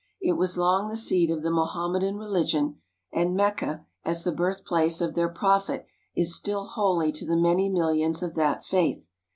It was long the seat of the Mohammedan religion, and Mecca, as the birthplace of their prophet, is still holy to the many millions of that faith.